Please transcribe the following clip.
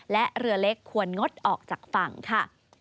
และเรือเล็กควรงดออกจากฝั่งค่ะ